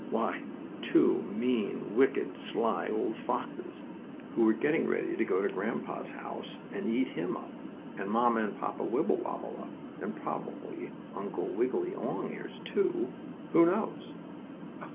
Why two mean, wicked, sly old foxes, who were getting ready to go to grandpa's house and eat him up, and Mamma and Papa Wibblewobble up, and probably Uncle Wiggily Longears, too; who knows?